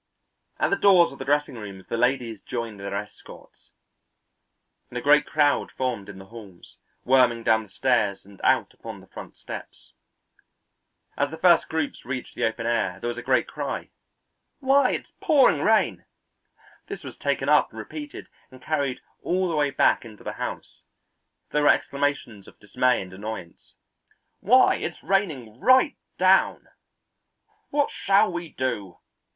At the doors of the dressing rooms the ladies joined their escorts, and a great crowd formed in the halls, worming down the stairs and out upon the front steps. As the first groups reached the open air there was a great cry: "Why, it's pouring rain!" This was taken up and repeated and carried all the way back into the house. There were exclamations of dismay and annoyance: "Why, it's raining right down!" "What shall we do!"